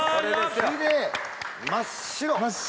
真っ白！